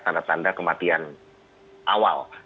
tanda tanda kematian awal